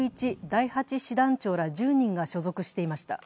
第８師団長ら１０人が所属していました。